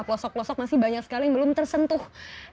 pelosok pelosok masih banyak sekali yang belum tersentuh